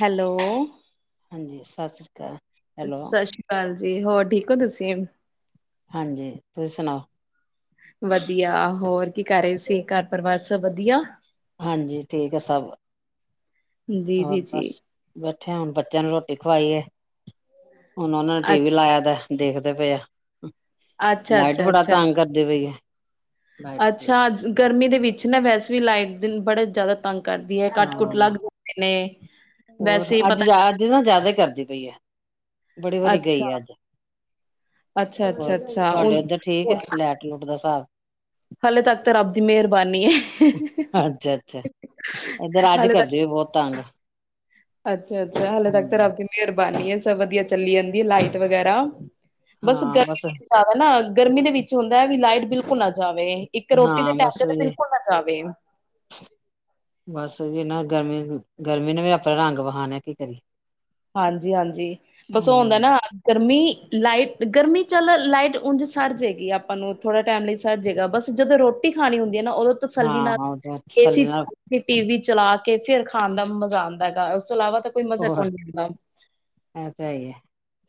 Hello. ਹਾਂਜੀ ਸਤਿ ਸ੍ਰੀ ਅਕਾਲ ਹੈਲੋ ਸਤਿ ਸ੍ਰੀ ਅਕਾਲ ਜੀ। ਹੋਰ ਠੀਕ ਹੋ ਤੁਸੀਂ? ਹਾਂਜੀ, ਤੁਸੀਂ ਸੁਣਾਓ। ਵਧੀਆ ਹੋਰ ਕੀ ਕਰ ਰਹੇ ਸੀ। ਘਰ ਪਰਿਵਾਰ ਸਭ ਵਧੀਆ। ਹਾਂਜੀ, ਠੀਕ ਆ ਸਭ। ਜੀ ਜੀ ਹੋਰ ਜੀ, ਬਸ ਬੱਚਿਆਂ ਨੂੰ ਰੋਟੀ ਖਵਾਈ ਏ। ਹੁਣ ਉਹਨਾਂ ਨੇ ਟੀ ਅੱ ਵੀ ਲਾਇਆ ਦਾ। ਦੇਖਦੇ ਪਏ ਆ। ਅੱਛਾ ਲਾਈਟ ਅੱਛਾ ਬੜਾ ਅੱਛਾ। ਤੰਗ ਕਰਦੇ ਪਈ ਐ। ਅੱਛਾ, ਗਰਮੀ ਦੇ ਵਿੱਚ ਨਾ ਵੈਸੇ ਲਾਈਟ ਬਿੱਲ ਬੜੇ ਜ਼ਿਆਦਾ ਤੰਗ ਕਰਦੀ ਹੈ, ਕੱਟ ਕੁੱਟ ਲੱਗ ਹਾਂ, ਜਾਂਦੇ ਨੇ, ਹੋਰ ਵੈਸੇ ਹੀ ਅੱਜ ਪਤਾ ਅੱਜ ਨਾ ਜ਼ਿਆਦਾ ਕਰਦੀ ਪਈ ਐ। ਬੜੀ ਵਾਰੀ ਗਈ ਆ ਅੱਛਾ, ਅੱਜ ਅੱਛਾ ਅੱਛਾ ਹੋਰ ਅੱਛਾ, ਤੁਹਾਡੇ ਹੁਣ ਉੱਧਰ ਠੀਕ ਏ। ਲੈਟ ਲੂਟ ਦਾ ਹਿਸਾਬ। ਹਲੇੇ ਤੱਕ ਤਾਂ ਰੱਬ ਦੀ ਮਿਹਰਬਾਨੀ ਏ। ਅੱਛਾ, ਅੱਛਾ। ਏਧਰ ਅੱਜ ਕਰਦੀ ਪਈ ਬਹੁਤ ਤੰਗ। ਅੱ ਛਾ ਹਾਲੇ ਤੱਕ ਤੇ ਹਾਂਜੀ ਆਪ ਦੀ ਮਿਹਰਬਾਨੀ ਏ। ਵਧੀਆ ਚੱਲੀ ਜਾਂਦੀ ਲਾਈਟ ਵਗੈਰਾ। ਬਸ ਗਰਮੀ ਜ਼ਿਆਦਾ ਨਾ ਗਰਮੀ ਦੇ ਵਿੱਚ ਹੁੰਦਾ ਐ ਵੀ ਲਾਈਟ ਬਿਲਕੁਲ ਨਾ ਨਾ ਜਾਵੇ। ਇੱਕ ਰੋਟੀ ਦੇ ਹਾਂ ਬਸ ਟੈਮ ਤਾਂ ਉਹੀ ਬਿਲਕੁਲ ਨਾ ਜਾਵੇ। ਬਸ ਓਹੀ ਨਾ ਇਹਨਾਂ ਗਰਮੀ ਗਰਮੀ ਨੂੰ ਵੀ ਆਪਣਾ ਰੰਗ ਵਖਾਨੇ। ਕੀ ਕਰੀਏ? ਹਾਂਜੀ, ਹਾਂਜੀ। ਬਸ ਹੁੰਦਾ ਹੂੰ, ਨਾ ਗਰਮੀ। ਲਾਈਟ ਗਰਮੀ ਚੱਲ ਲਾਈਟ ਉਂਝ ਸਰ ਜਾਏਗੀ ਆਪਾਂ ਨੂੰ ਥੋੜਾ ਟਾਈਮ ਲਈ ਸਰ ਜਾਏਗਾ। ਬਸ ਜਦੋਂ ਰੋਟੀ ਖਾਣੀ ਹੁੰਦੀ ਨਾ ਉਦੋਂ ਤਸੱਲੀ ਨਾਲ ਹਾਂ ਉਹ ਤਾਂ ਏ ਸੀ ਥੱਲੇ ਨਾਲ ਚ ਟੀ ਵੀ ਚਲਾ ਕੇ ਫਿਰ ਖਾਣ ਦਾ ਮਜ਼ਾ ਆਂਦਾ ਹੈਗਾ। ਉਸ ਤੋਂ ਇਲਾਵਾ ਕੋਈ ਮਜ਼ਾ ਹੋਰ ਕੌਣ ਇਹ ਤਾਂ ਹੈ ਹੀ ਹੈ ਜੀ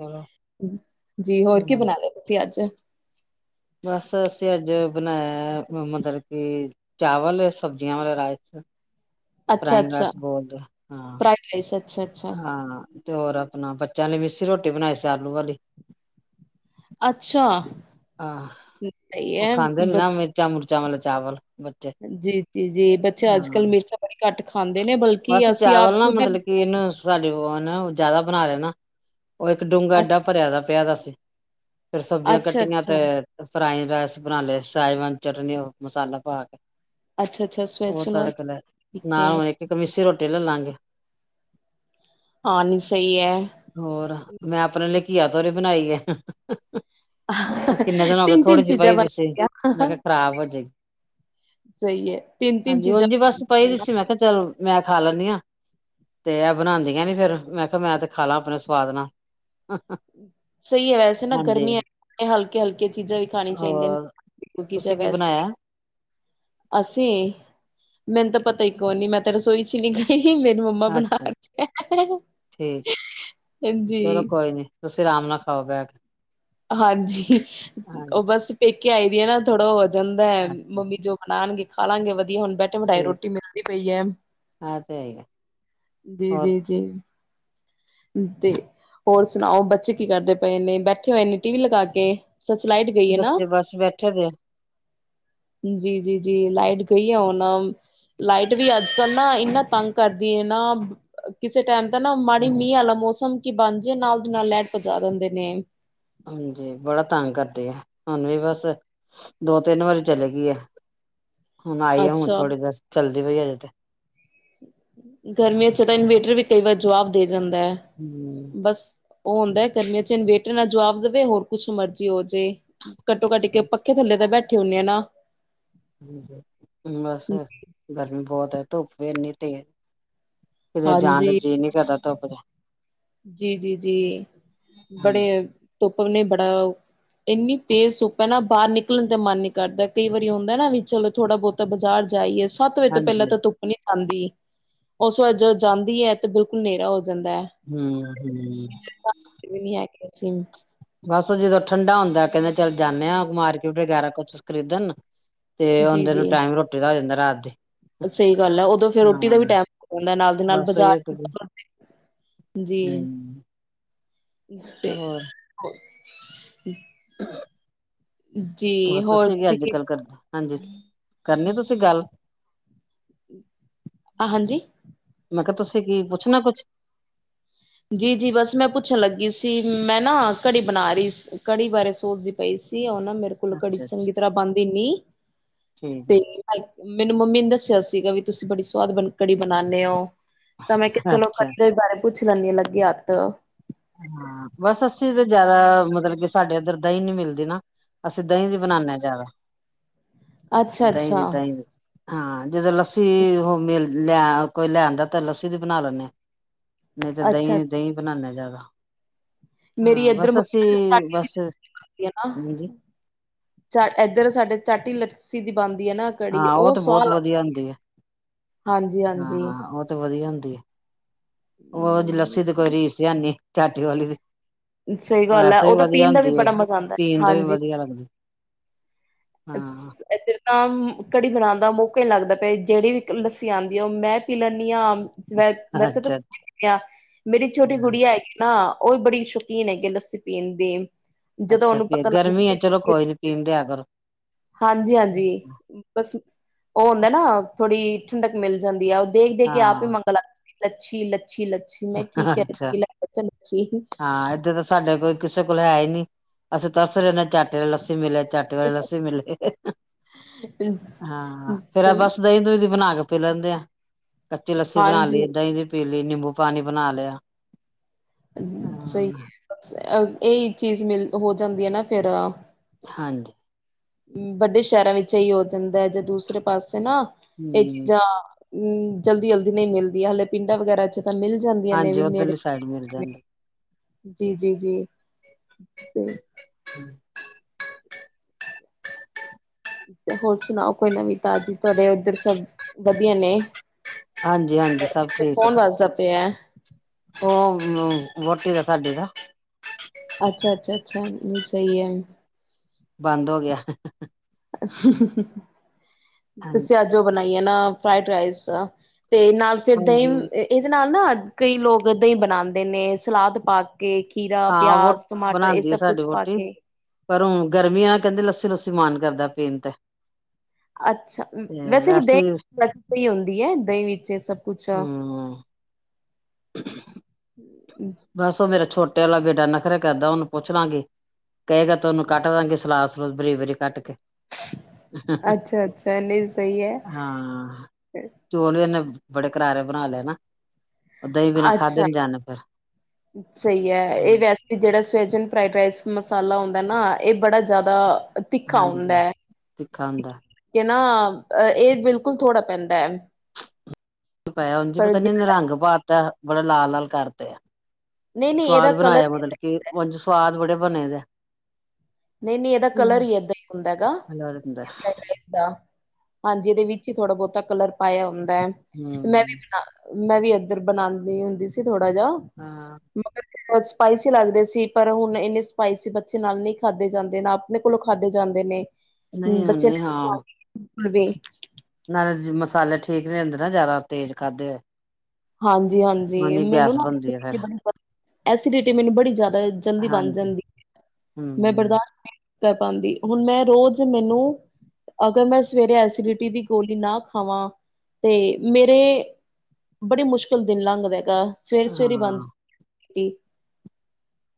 ਚਲੋ ਹੋਰ ਕੀ ਬਣਾ ਲਹੇ ਤੁਸੀਂ ਅੱਜ? ਬਸ ਅਸੀਂ ਅੱਜ ਬਣਾਇਆ ਮਤਲਬ ਕਿ ਚਾਵਲ ਸਬਜ਼ੀਆਂ ਵਾਲੇ ਰਾਈਸ। ਅੱਛਾ, ਫਰਾਈੰਗ ਅੱਛਾ। ਰਾਈਸ ਬੋਲਦੇ ਆ। ਹਾਂ। [inaudible] ਹਾਂ, ਤੇ ਹੋਰ ਆਪਣਾ ਬੱਚਿਆਂ ਨੇ ਮਸੀ ਰੋਟੀ ਰੋਟੀ ਬਣਾਈ ਸੀ ਆਲੂ ਵਾਲੀ। ਅੱਛਾ। ਆਹੋ ਸਹੀ ਉਹ ਖਾਂਦੇ ਨੇ ਹੈ ਨਾ ਮਿਰਚਾਂ ਮੁਰਚ ਚਮਲ ਚਾਵਲ ਬੱਚੇ ਜੀ ਜੀ ਜੀ ਬੱਚੇ ਹਾਂ ਅੱਜ ਕੱਲ ਮਿਰਚਾਂ ਬੜੀ ਘੱਟ ਖਾਂਦੇ ਨੇ ਬਲਕਿ ਬਸ ਅਸੀਂ ਆਪ ਚਾਵਲ ਨਾ ਖੁਦ ਅ ਮਤਲਬ ਕਿ ਇਹਨੂੰ ਸਾਡੇ ਜ਼ਿਆਦਾ ਬਣਾ ਲਿਆ ਨਾ ਉਹ ਇੱਕ ਡੂੰਘਾ ਏਡਾ ਭਰਿਆ ਦਾ ਪਿਆ ਦਾ ਸਿ [unintelligible] ਫਿਰ ਸਬਜ਼ੀਆਂ ਅੱਛਾ, ਕੱਟੀਆਂ ਅੱਛਾ, ਤੇ ਫਰਾਈ ਰਾਈਸ ਬਣਾ ਲਏ ਸਾਹਿਵਾਂ ਚਟਨੀ ਉਹ ਮਸਾਲਾ ਪਾ ਕੇ ਅੱਛਾ ਅੱਛਾ ਸਵੈ ਸੁਣ ਵਾਲ ਨਾ ਹੁਣ ਇੱਕ ਅਸੀਂ ਰੋਟੀ ਲੈ ਲਾਂਗੇ ਹਾਂ ਨਹੀਂ ਸਹੀ ਹੈ ਹੋਰ ਮੈਂ ਆਪਣੇ ਲਈ ਘਿਆ, ਤੋਰੀ ਬਣਾਈ ਹੈ ਉਹ ਕਿੰਨੇ ਦਿਨ ਹੋ ਗਏ ਥੋੜੀ ਜਿਹੀ ਚੀਜ਼ਾਂ ਪਾਈ ਬਣ ਦੀ ਸੀ, ਮੈਂ ਕਿਹਾ ਖਰਾਬ ਹੋ ਜਾਏ ਸਹੀ ਹੈ ਤਿੰਨ ਤਿੰਨ ਚੀਜ਼ਾਂ ਚਲੋ ਮੈਂ ਖਾ ਲੈਦੀ ਆ ਤੇ ਬਣਾਉਂਦੀ ਫਿਰ ਮੈਂ ਕਿਹਾ ਮੈਂ ਤੇ ਖਾ ਲਾ ਆਪਣੇ ਸਵਾਦ ਨਾ ਸਹੀ ਹੈ ਵੈਸੇ ਨਾ ਗ਼ਰਮੀਆਂ ਹਲਕੇ ਹਲਕੇ ਚੀਜ਼ਾਂ ਵੀ ਖਾਣੀ ਚਾਹੀਦੀਆਂ ਹੋਰ ਨੇ ਤੁਸੀਂ ਕੀ ਵੈਸੇ ਬਣਾਇਆ ਅਸੀਂ ਮੈਨੂੰ ਤਾਂ ਪਤਾ ਈ ਕੌ ਨੀ ਮੈਂ ਤਾਂ ਰਸੋਈ ਚ ਨੀ ਗਈ ਮੇਰੀ ਮੰਮਾ ਬਣਾ ਅੱਛਾ ਕੇ, ਠੀਕ ਹਾਂਜੀ ਚਲੋ ਕੋਈ ਨੀ ਤੁਸੀਂ ਆਰਾਮ ਨਾਲ ਖਾਓ ਬਹਿ ਕੇ ਹਾਂਜੀ ਹਾਂਜੀ ਉਹ ਬਸ ਭੇ ਆਈ ਦੀਆਂ ਨਾ ਥੋੜਾ ਬਹੁਤ ਜਾਂਦਾ ਹੈ। ਅੱਛਾ ਮੰਮੀ ਜੋ ਬਣਾਉਣਗੇ ਖਾ ਲਾਗੇ ਹੁਣ ਬੈਠੇ ਬਿਠਾਏ ਠੀਕ ਰੋਟੀ ਮਿਲਦੀ ਪਈ ਹੈ। ਇਹ ਤੇ ਹੈਗਾ ਜੀ ਹੋਰ -ਜੀ- ਜੀ ਤੇ ਹੋਰ ਸੁਣਾਓ, ਬੱਚੇ ਕੀ ਕਰਦੇ ਪਏ ਨੇੇ ਬੈਠੇ ਹੋਏ ਨੇ ਟੀ ਵੀ ਲਗਾ ਕੇ ਸੱਚ ਲਾਈਟ ਗਈ ਹੈ ਨਾ ਬੱਚੇ ਬਸ ਬੈਠੇ ਦੇ ਏ। ਜੀ- ਜੀ- ਜੀ ਲਾਈਟ ਗਈ ਆ ਹੁਣ, ਲਾਈਟ ਵੀ ਅੱਜ ਕੱਲ ਨਾ ਇੰਨਾ ਤੰਗ ਕਰਦੀ ਹੈ ਨਾ। ਕਿਸੇ ਟਾਈਮ ਦਾ ਨਾ ਮ ਮੀਂਹ ਵਾਲਾ ਮੌਸਮ ਕੀ ਬਣਜੇ ਨਾਲ ਦੀ ਨਾਲ ਲੈਟ ਪਜਾ ਦਿੰਦੇ ਨੇ ਹਾਂਜੀ। ਬੜਾ ਤੰਗ ਕਰਦੇ ਆ, ਹੁਣ ਵੀ ਬਸ ਦੋ- ਤਿੰਨ ਵਾਰੀ ਚਲੇ ਗਈ ਆ ਹੁਣ ਆਈ ਹੁ ਅੱਛਾ ਥੋੜੀ ਦੇਰ ਚੱਲਦੀ [unintelligible] ਹੂੰਨੇ ਤਕ ਗਰਮੀ ਛਡ ਤਾਂ ਇਨਵੇਰਟਰ ਵੀ ਕਈ ਵਾਰ ਜਵਾਬ ਦੇ ਜਾਂਦਾ ਹੈ ਹਮ ।ਬਸ ਉਹ ਹੁੰਦਾ ਗਰਮੀਆਂ ਚ ਇਨਞੇਟਰ ਨਾਲ ਜਵਾਬ ਦੇਵੇ ।ਹੋਰ ਕੁਛ ਮਰਜ਼ੀ ਹੋ ਜੇ ਘੱਟੇ- ਘੱਟ ਕੇ ਬਸ ਪੱਖੇ ਥੇ ਬੈਠ ਇਕੱਠੇ ਹੁੰਦੇਆ ਨਾ [inaudible] ਬਹੁਤ ਹੈ। ਧੁੱਪ ਵੀੇ ਇਨੀ ਤੇ ਕਿਤੇ ਜਾਣ ਦਾ ਹਾਂਜੀ। ਜੀਅ ਨੀ ਕਰਦਾ ਧੁੱਪ ਜੀ- ਜੀ -ਜੀ ਹਾਂਜੀ ਬੜੇ ਧ ਸੁਨੇ ਬੜਾ ਇੰਨੀ ਤੇਜ਼ ਸੁਪ ਹੈ ਨਾ ਬਾਹਰ ਨਿਕਲਣ ਤੇ ਮਨ ਨੀ ਕਰਦਾ। ਕਈ ਵਾਰੀ ਹੁੰਦਾ ਨਾ ਵੀ ਚਲੋ ਥੋੜਾ -ਬਹੁਤਾ ਬਾਜ਼ਾਰ ਜਾਈਏ। ਸੱਤ ਵਜੇ ਤੋਂ ਪਹਿਲਾਂ ਹਾਂਜੀ ਤਾਂ ਤੁੁੱ ਨੀ ਜਾਂਦੀ। ਉਸ ਵਾਰ ਜਦੋਂ ਜਾਂਦੀ ਹੈ ਤੇ ਬਿਲਕੁਲ ਹਨੇਰਾ ਹੋ ਜਾਂ ਜਾਂਦਾ ਹੈ। ਵੀ [inaudible] [unintelligible] ਬਸ ਜਦੋਂ ਠੰਡਾ ਹੁੰਦਾ। ਕਹਿੰਦੇ ਚੱਲ ਜਾਂਦੇ ਆਾਂ ਮਾਰਕੀਟ ਵਗੈਰਾ ਕੁਛ ਖ਼ਰੀਦਣ ਤੇ ਜੀ ਉਹਦੇ ਨੂੰ ਜੀ ਟਾਈਮ ਰੋਟੀ ਦਾ ਹੋ ਜਾਂਦਾ। ਰਾਤ ਦੇ ਸਹੀ ਗੱਲ ਹੈ। ਉਦੋਂ ਫਰ ਰੋਟੀ ਹਾਂ ਦਾ ਵੀ ਟਮ ਜਾਂਦਾ ਨਾਲ ਦੀ ਨਾਲ ਬਸ ਉਹੀ ਬਾਜ਼ਾਰ ਹਮ ਜ [inaudible] ਹੋਰ [inaudible] ਹੋ ਹੋਰ ਤੁਸੀਂ ਵੀ ਅੱਜ ਕੀ ਕੱਲ ਕਰਦੇ। ਹਾਂਜੀ। ਕਰਨੀ ਤੁਸੀਂ ਗੱਲ ਆ ਹਾਂਜੀ। ਮੈਂ ਕਿਹਾ- ਤੁਸੀਂ ਕੀ ਪੁੱਛਣਾ ਕੁਛ? ਜੀ- ਜੀ ਬਸ ਮੈਂ ਪੁੱਛਣ ਲੱਗੀ ਸੀ ।ਮੈਂ ਨਾ ਕੜੀ ਬਣਾ ਰਹੀ ਕੜੀ ਬਾਰੇ ਸੋਚਦੀ ਪਈ ਸੀ ।ਉਹ ਨਾ ਮੇਰੇ ਕੋਲ ਘੜੀ ਅੱਛਾ ਅੱਛਾ ਚੰਗੀ ਤਰ੍ਹਾਂ ਬੰਦ ਹੀਨੀ ਠੀਕ [inaudible] ਮੈਨੂੰ ਮੰਮੀ ਨੇ ਦੱਸਿਆ ਸੀਗਾ ਵੀ ਤੁਸੀਂ ਬੜੀ ਸਵਾਦ ਬਣਕੜੀ ਬਣਾਉਦੇ ਹੋ ਤ ਮ ਹੈ ਕਿਥੇ ਅੱਛਾ ਲੋਕਦੇ ਬਾਰੇ ਪੁੱਛ ਜਲਾਨੀ ਲੱਗੇ ਹੱਤ ਹਾਂ ਬਸ ਅਸੀਂ ਤਾਂ ਜ਼ਿਆਦਾ ਮਤਲਬ ਕਿ ਸਾਡੇ ਉੱਧਰ ਦਹੀਂ ਨੀ ਮਿਲਦੀ ਨਾ ਅਸੀਂ ਦਹੀਂ ਦੀ ਬਣਾਉਦੇ ਹਾਂ ਜ਼ਿਆਦਾ ਅੱਛਾ ਦਹੀਂ ਅੱਛਾ ਦੀ ਦਹੀਂ ਦੀ ਹਾਂ ਜਦ ਅਸੀ ਉਹ ਮਿਲ ਲੈ ਕੋਈ ਲੈਦਾ ਤੇ ਲੱਸੀ ਦੀ ਬਣਾ ਲੈਂਦੇ ਨਈ ਤੇ ਅੱਛਾ ਦਈ, ਦਈ ਬਨਾਨੇ ਆ ਜਾਦਾ। ਮੇਰੀ ਏਦਰ ਮੰਮੀ ਬਸ ਹਾਂਜੀ [unintelligible] ਏਦਰ ਸਾਡੇ ਚਾਟੀ ਦੀ ਲ, [unintelligible] ਨਾ ਕੜੀ, ਹਾਂ ਉਹ ਓਹ ਤਾਂ ਸਵਾਦ ਬਹੁਤ ਵਧੀਆ ਲਾਗਦੀ ਏ, ਹੁੰਦੀ ਹੈ ਹਾਂਜੀ, ਹਾਂਜੀ। [unintelligible] ਓ ਦੀ ਨਹੀਂ ਲੱਸੀ ਦੀ ਨਹੀਂ ਕੋਈ ਰੀਸ ਈ ਐਨੀ। ਚਾਟੀ ਸਹੀ ਗੱਲ ਏ, ਵੈਸੇ ਓ ਵੀ ਤਾ ਵਧੀਆ ਪੀਨ ਦਾ ਵੀ ਹੁੰਦੀ ਹੈ ਬੜਾ ਮਜ਼ਾ ਆਂਦੈ, ਪੀਣ ਦਾ ਵੀ ਹਾਂਜੀ। ਵਧੀਆ ਲੱਗਦੀ ਹਾਂ [inaudible] ਤਾਂ ਕੜੀ ਬਨਾਨ ਦਾ ਮੌਕਾ ਨੀ ਲਾਗਦਾ ਪਏ, ਜੇੜੀ ਵੀ ਲੱਸੀ ਆਂਦੀ ਏ ਓ ਮੈਂ ਪੀ ਲੈਨੀ ਆ ਵੈਸੇ ਅੱਛਾ ਤਾ [inaudible] ਮੇਰੀ ਛੋਟੀ ਹਾਂ, ਗੁੜੀਆ ਹੈਗੀ ਏ ਨਾ। ਓ ਵੀ ਬੜੀ ਸ਼ੌਕੀਨ ਹੈਗੀ ਏ ਲੱਸੀ ਪੀਨ ਦੀ। ਜਦੋਂ ਅੱਛਾ ਉਹਨੂੰ ਫੇਰ, ਪਤਾ ਗਰਮੀ ਲੱਗ ਏ ਚਲੋ ਕੋਈ ਨੀ ਪੀਨ ਦਿਆ ਕਰੋ। ਹਾਂਜੀ, ਹਾਂਜੀ ਬਾਸ ਓ ਹੁੰਦੈ ਨਾ ਥੋੜ੍ਹੀ ਠੰਡਕ ਮਿਲ ਜਾਂਦੀ ਯਾ ਦੇਖ, ਦੇਖ ਕੇ ਆਪ ਹੀ ਹਾਂ, [unintelligible] ਲੱਛੀ ਲ ਅੱਛੀ ਲੱਛੀ ਮੈਂ ਠੀਕ ਅੱਛਾ [unintelligible] ਹਾਂ ਏਧਰ ਤਾਂ ਸਾਡੇ ਕੋਈ ਕਿਸੇ ਕੋਲ ਹੈ ਈ ਨੀ, ਅਸੀ ਤਰਸ ਰਹੇ ਨੇ ਚਾਟੇ ਅਲੀ ਲੱਸੀ ਮਿਲੇ ਚਾਟੇ ਆਲੇ ਲੱਸੀ ਮਿਲੇ, ਹਾਂ ਫੇਰ ਏ ਚੱਲ ਬਾਸ ਦਈ-ਦੂਈ ਦੀ ਬਨਾ ਕੇ ਪੀ ਲੈਂਦੇ ਆ। ਕੱਚੀ ਲੱਸੀ ਬਨਾ ਲੀ, ਹਾਂਜੀ ਦਾਈ ਦੀ ਪੇਲੇ ਨਿੰਬੂ ਪਾਨੀ ਬਨਾ ਲੇਆ। ਸਹੀ ਏ ਬਾਸ [inaudible] ਏਈ ਚੀਜ਼ ਮੇਲ ਹੋ ਜਾਂਦੀ ਏ ਨਾ ਫੇਰ। ਹਾਂਜੀ। ਵੱਡੇ ਸੈ਼ਰਾਂ ਵਿੱਚ ਏਈਓ ਹੋ ਜਾਂਦੈ, ਜੇ ਦੂਸਰੇ ਪਾਸ ਨਾ ਏ ਹੂੰ, ਚੀਜਾ ਹੂੰ, ਜਲਦੀ-ਜਲਦੀ ਨਈ ਮਿਲਦੀਆਂ, ਹਲੇ ਪਿੰਡਾਂ ਵਗੈਰਾ ਚ ਮਿਲ ਜਾਂਦੀਆਂ ਨੇ ਹਾਂਜੀ ਵੀ ਨੇੜੇ ਓਧਰਲੀ ਸਾਈਡ ਮਿਲ ਜਾਂਦੀ। ਜੀ, ਜੀ, ਜੀ ਤੇ [inaudible] ਤੇ ਹੋਰ ਸੁਣਾਓ ਕੋਈ ਨਵੀ ਤਾਜ਼ੀ ਤੁਹਾਡੇ ਏਧਰ ਸਬ ਵਦੀਆ ਨੇ। ਹਾਂਜੀ-ਹਾਂਜੀ ਤੁਡੇ ਸਭ ਪਿੱਛੇ ਠੀਕ ਐ, ਫੋਨ ਵਜਦਾ ਪਿਆ [inaudible] ਸਾਡੇ ਦਾ ਅੱਛਾ ਅੱਛਾ ਅੱਛਾ ਸਹੀ ਹੈ ਬੰਦ ਹੋ ਗਿਆ। [inaudible] ਤੇ ਸਿਆਜੋ ਬਣਾ ਇਹ ਨਾ ਫਈਡ ਰਈਸ ਤੇ ਨਾਲ ਫਿਰ ਦਹੀਂਮ ਹਾਂਜੀ, ਇਹਦੇ ਨਾਲ ਨਾ ਕਈ ਲੋਕ ਦਾਂ ਹੀ ਬਣਾਉਂਦੇ ਨੇ ਸਲਾਦ ਪਾ ਕੇ ਖੀਰਾ ਹਾਂ ਵ ਪਿਆਜ ਟਮਾਟਰ ਇਹ ਬਣਾਉਦੀ ਆ ਸਭ ਸਾਡੀ ਕੁਛ ਪਾ ਰਹੁਟੀ ਕੇ ਪਰ ਹੁਣ ਗਰਮੀਆਂ ਕਹਿੰਦੇ ਲੱਸੀ ਲੁੱਸੀ ਮਨ ਕਰਦਾ [unintelligible] ਅੱਛਾ ਵੈਸੇ ਵੀ ਦਹੀਂ ਵੈਸ ਸਹੀ ਹੁੰਦੀ ਹੈ ਦਹੀਂ ਵਿੱਚ ਸਭ ਕੁਛ ਹੂੰ [inaudible] ਬਸ ਉਹ ਮੇਰਾ ਛੋਟਾ ਟਟੇ ਵਾਲਾ ਬੇਟਾ ਨਖਰੇ ਕਰਦਾ ਉਹਨੂੰ ਪੁੱਛ ਲਾਂਗੀ ਕਹੇ ਗ ਤੇ ਉਹਨੂੰ ਕੱਟ ਦਾਂਗੀ ਸਲਾਦ ਸਲੂਦ ਬਰੀ ਵਰੀ ਕੱਟ ਕੇ ਅੱਛਾ ਅੱਛਾ ਨਹੀਂ ਸਹੀ ਹੈ ਹਾਂ ਚੋਲ ਵੀ ਇਹਨੇ ਬੜੇ ਕਰਾਰੇ ਬਣਾ ਲਏ ਨਾ ਉਹ ਦਹੀਂ ਬਿਨਾ ਖਾ ਦੇ ਅੱਛਾ ਨ ਜਾਣਾ ਫਿਰ ਸਹੀ ਹੈ ਇਹ ਵੈਸੇ ਵੀ ਜਿਹੜਾ ਸ ਫਰਾਡ ਰਸ ਮਸ ਹੁੰਦਾ ਨਾ ਇਹ ਬੜਾ ਜ਼ਿਆਦਾ ਤਿੱਖਾ ਹਾਂਜੀ ਹੁੰਦਾ ਤਿੱਖਾ ਹੁੰਦਾ ਹੈਕੇ ਨਾ ਅ ਇਹ ਬਿਲਕੁਲ ਥੋੜ੍ਹਾ ਪੈਂਦਾ ਹੈ ਪਾਇਦੀ ਪਰ ਪਤਾ ਜੇ ਨਹੀਂ ਨਿਰੰਗ ਪਾਤਾ ਬੜਾ ਲਾਲ ਲ ਕਰਦੇ ਆ ਨਹੀਂ ਨਹੀਂ ਇਹਦਾ ਸਵਾਦ ਬਣਾਇਆ ਕਲਰ ਮਤਲਬ ਕਿ ਉਝ ਸਵਾਦ ਬੜੇ ਬਣੇ ਦਾ ਨਹੀਂ ਨਹੀਂ ਇਹਦਾ ਕਲਰ ਹੀ ਏਦਾਂ ਹੀ ਹੁੰਦਾ ਹੈ ਗ ਫਡ ਰ ਦਾ ਹਾਂਜੀ ਇਹਦੇ ਵਿੱਚ ਹੀ ਥੋੜਾ ਬਹੁਤਾ ਕਲਰ ਪਾਇਆ ਹੁੰਦਾ ਮੈਂ ਵੀ ਹੂੰ ਬਿ ਮੈਂ ਵੀ ਇੱਧਰ ਬਣਾਉਂਦੀ ਹੁੰਦੀ ਸੀ ਥੋੜਾ ਹਾਂ ਬਦਾ [unintelligible] ਸਪਾਈਸੀ ਲੱਗਦੇ ਸੀ ਪਰ ਹੁਣ ਇੰਨਨੀ ਸਪਾਈਸੀ ਬੱਚੇ ਨਾਲ ਨੀ ਖਾਧੇ ਜਾਂਦੇ ਨੇ ਆਪਣੇ ਕੋਲੋਂ ਖਾਧੇ ਜਾਂਦੇ ਨੇ ਨਹੀਂ ਬੱਚੇ ਹਨੀ ਨੇ ਖਾ ਹਾਂ [unintelligible] ਮਸਾਲੇ ਠੀਕ ਨਹੀਂ ਹੁੰਦੇ ਨਾ ਜ਼ਿਆਦਾ ਤੇਜ਼ ਕਰਦੇ ਹੋਏ ਹਾਂਜੀ ਹਾਂਜੀ ਉਹਦੀ ਮੈਨੂੰ ਗੈਸ ਨਾਨ ਬਣਦੀ ਹੈ ਫੇਰ ਬੜੀ ਜ਼ਿਆਦਾ ਜਲਦੀ ਬਣ ਹਾਂਜੀ ਜਾਂਦੀ ਮੈਂ ਹਮ ਬਰਦਾਸ਼ਤ ਕਰ ਪਾਉਦੀ ਹੁਣ ਮੈਂ ਰੋਜ਼ ਮੈਨੂੰ ਅਗਰ ਮੈਂ ਸਵੇਰੇ ਐਸੀਡਿਟੀ ਦੀ ਗੋਲੀ ਨਾ ਖਾਵਾਂ ਤੇ ਮੇਰੇ ਬੜੇ ਮੁਸ਼ਕਿਲ ਦਿਨ ਲੰਘਦਾ ਸਵੇਰੇ ਸਵੇਰੇ ਹੀ ਬੰਦ ਹਾਂ [unintelligible]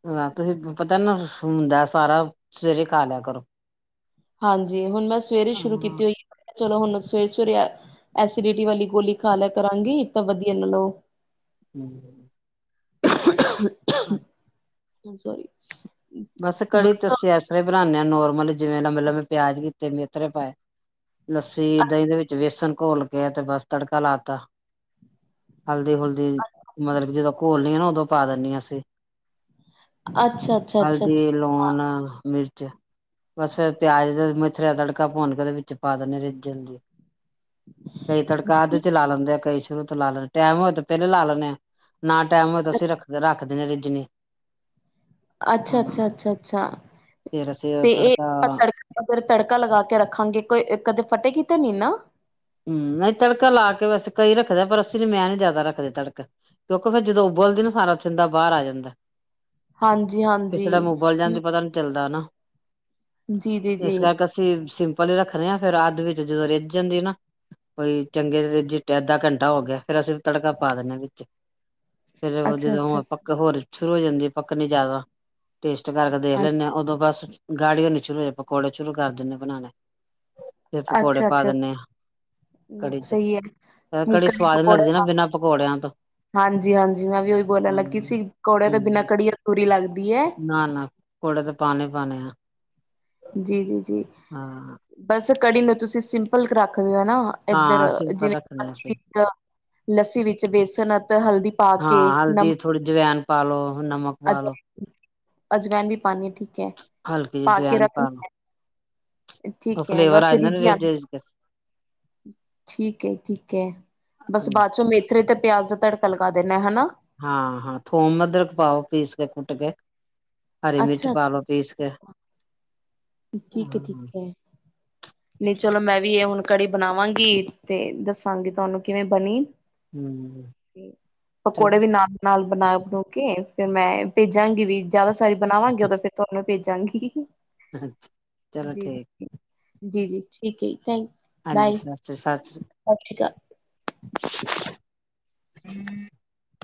ਹ ਤੁਸੀਂ ਪਤਾ ਨਾ ਹੁੰਦਾ ਸਾਰਾ ਸਵੇਰੇ ਖਾ ਲਿਆ ਕਰੋ ਹਾਂਜੀ ਹੁਣ ਮੈਂ ਸਵੇਰੇ ਸ਼ੁਰੂ ਹਾਂ ਕੀਤੀ ਹੋਈ ਚਲੋ ਹੁਣ ਸਵੇਰ ਸਵੇਰੇ ਐਸੀਡਿਟੀ ਵਾਲੀ ਗੋਲੀ ਖਾ ਲਿਆ ਕਰਾਂਗੀ ਤਾਂ ਵਧੀਆ ਨਾ ਲਓ ਹਮ [unintelligible] [unintelligible] ਸੋਰੀ ਬਸ ਕੜੀ ਅੱਛਾ ਤੁਸੀ ਐਸਰਾ ਬਣਾਂ ਆ ਨੋਰਮਲ ਜਿਵੇਂ ਲੰਮੇ ਲੰਮੇ ਪਿਆਜ ਕੀਤੇ ਮੇਥਰੇ ਪਾਏ ਲੱਸੀ ਦਹੀਂ ਦੇ ਵਿੱਚ ਵੇਸਣ ਘੋਲ ਕੇ ਤੇ ਬਸ ਤੜਕਾ ਲਾ ਤਾ ਹਲਦੀ ਹੁਲਦੀ ਮਤਲਬ ਕਿ ਜਦੋਂ ਘੋਲਨ ਆ ਨਾ ਉੋਂ ਪਾ ਦਿੰਦੇ ਆ ਅਸੀ ਅੱਛਾ ਅੱਛਾ ਅੱਛਾ ਹਲਦੀ ਲੂਣ ਮਿਰਚ ਬਸ ਫੇਿਰ ਪਿਆਜ ਦੇ ਮਿਥਰੇ ਦਾ ਤੜਕਾ ਭੁਨ ਕੇ ਉਹਦੇ ਵਿੱਚ ਪਾ ਦਦੇਾਂ ਰਿੱਜ ਜਾਂਣਦੀ ਕਈ ਤੜਕਾ ਅੱਧ ਚ ਲਾ ਲੈਂਦੇ ਆ ਕਈ ਸ਼ੁਰੂ ਤੋਂ ਲਾ ਲੈਣੇ ਟਾਈਮ ਹੋਏ ਤੇ ਪਹਿਲੇ ਲਾ ਲੈਣੇ ਆ ਨਾ ਟਾਈਮ ਹੋਏ ਤਾਂ ਅਸੀ ਰੱਖਦੇ ਰੱਖ ਆਖਦੇ ਨੇ ਰਜਨੀ ਅੱਛਾ ਅੱਛਾ ਅੱਛਾ ਅੱਛਾ, ਫੇਰ ਅਸੀਂ ਉਹ ਤੇ ਇਹ ਤੜਕਾ ਆਪਾਂ ਤੜਕਾ ਤੜਕਾ ਲਗਾ ਕੇ ਰੱਖਾਂਗੇ ਕੋਈ ਕਦੇ ਫਟੇਗੀ ਨੀ ਨਾ ਹਮ, ਨਹੀਂ ਤੜਕਾ ਲਾ ਕੇ ਵੈਸੇ ਕਈ ਰੱਖਦੇ ਪਰ ਅਸੀਂ ਨ ਮੈਂ ਨੀ ਜ਼ਿਆਦਾ ਰੱਖਦੇ ਤੜਕਾ ਕਿਉਂਕਿ ਫਿਰ ਜਦੋਂ ਉਬਲਦੀ ਨਾ ਸਾਰਾ ਥਿੰਦਾ ਬਾਹਰ ਆ ਜਾਂਦਾ ਹਾਂਜੀ ਕਿਸ ਹਾਂਜੀ ਟਾਈਮ ਉਬਲ ਜਾਂਦੀ ਪਤਾ ਨੀ ਚੱਲਦਾ ਨਾ। ਜੀ ਜੀ ਜੀ ਇਸ ਕਰਕੇ ਅਸੀਂ ਸਿੰ ਪਹਿਲੇ ਰੱਖਦੇ ਆਾਂ ਫੇਿਰ ਅੱਧ ਵਿੱਚ ਜਦੋਂ ਰਿੱਝ ਜਾਂਦੀ ਨਾ ਕੋਈ ਚੰਗੇ ਅੱਧਾ ਘੰਟਾ ਹੋ ਗਿਆ ਫੇਿਰ ਅਸੀਂ ਵੀ ਤੜਕਾ ਪਾ ਦਿੰਦੇ ਹਾਂ ਵਿੱਚ ਫਿਰ ਅੱਛਾ ਅੱਛਾ ਜਦੋਂ ਅੱਛਾ ਪਕ ਹੋਰ ਸ਼ੁਰੂ ਹੋ ਜਾਂਦੇ ਆ ਪੱਕਨੀ ਜ਼ਿਆਦਾ ਟੇਸਟ ਕਰਕੇ ਦੇਖ ਹਾਂਜੀ ਲੈਂਦੇ ਹਾਂ ਉਦੋਂ ਬਸ ਗਾੜੀਓਨੀ ਸ਼ੁਰੂ ਹੋ ਜਾ ਪਕੌੜੇ ਸ਼ੁਰੂ ਕਰ ਦਿੰਦੇੇ ਬਣਾਉਣੇ ਫਿਰ ਪਕੌੜੇ ਅੱਛਾ ਪਾ ਅੱਛਾ ਦਿੰਦੇ ਹਾਂ ਕੜੀ ਚ ਸਹੀ ਹੈ ਕੜੀ ਸਵਾਦ ਨੀ ਪਕੌੜੇ ਲੱਗਦੀ ਨਾ ਬਿਨਾਂ ਪਕੌੜਿਆਂ ਤੋਂ ਹਾਂਜੀ ਹਾਂਜੀ ਮੈਂ ਵੀ ਉਹੀ ਬੋਲਣ ਹਾਂ ਲੱਗੀ ਸੀ ਪਕੌੜੇ ਤੋਂ ਬਿਨਾਂ ਹਮ ਕੜੀ ਅਧੂਰੀ ਲੱਗਦੀ ਹੈ ਨਾ ਨਾ ਪਕੌੜੇ ਤੇ ਪਾਣੇ ਪਾਣੇ ਆ ਜੀ ਜੀ ਜੀ ਹਾਂ ਬਸ ਕੜੀ ਲਓ ਤੁਸੀਂ ਸਿੰਪਲ ਕਰਰਾ ਦੇ ਨਾ ਇਧਰ ਹਾਂ ਸਿੰਪਲ ਰੱਖਣੇ ਅਸੀਂ ਜਿਵੇਂ ਲੱਸੀ ਵਿੱਚ ਬੇਸਣ ਅਤੇ ਹਲਦੀ ਪਾ ਹਾਂ ਕੇ ਨਮਕ ਹਲਦੀ ਥੋੜੀ ਜਵੈਨ ਪਾ ਲੋ ਨਮਕ ਪਾ ਲੋ ਅਜਵੈਨ ਵੀ ਪਾਣੀ ਠੀਕ ਹੈ ਹਲਕੀ ਪਾ ਕੇ ਰੱਖ [unintelligible] ਉਹ ਠੀਕ ਹੈ ਫਲੇਵਰ ਬਸ ਆ ਜਾਂ ਰੀਝੀ ਆਂਦੀ ਠੀਕ ਹੈ ਠੀਕ ਹੈ ਬਸ ਬਾਅਦ ਚੋਂ ਮੇਥਰੇ ਤੇ ਪਿਆਜ਼ ਦਾ ਤੜਕਾ ਲਗਾ ਦਿੰਦੇ ਹ ਹਨਾ ਹਾਂ ਹਾਂ ਥੋਮ ਅਦਰਕ ਪਾਓ ਪੀਸ ਕੇ ਕੁੱਟ ਕੇ ਹਰੀ ਮਿਰਚ ਅੱਛਾ ਪਾ ਲੋੋ ਪੀਸ ਕੇ ਠੀਕ ਹੈ ਹਾਂ ਠੀਕ ਹੈ ਨਹੀਂ ਚਲੋ ਮੈਂ ਵੀ ਇਹ ਹੁਣ ਕੜੀ ਬਣਾਵਾਂਗੀ ਤੇ ਦੱਸਾਂਗੀ ਤੁਹਾਨੂੰ ਕਿਵੇਂ ਬਣੀ ਹਮ ਪਕੌੜੇ ਚਲੋ ਵੀ ਨਾਲ ਨਾਲ ਬਣਾ ਬਣੂ ਕੇ ਫ ਮੈਂ ਭੇਜਾਂਗੀ ਵੀ ਜਦਾ ਸਾਰੀ ਬਣਾਵਾਂਗੇ ਉਦ ਫਿਰ ਤੁਹਾਨੂੰ ਭੇਜਾਂਗੀ ਅਛਾ ਚਲੋ ਜੀ ਠੀਕ ਜੀ ਹੈ ਜੀ ਜੀ ਠੀਕ ਹੈ ਜੀ ਥਕ ਹਾਂਜੀ ਸਤਿ੍ਰੀ ਸਤਿ ਅਕਾਲ। ਸ਼੍ਰੀ [inaudible]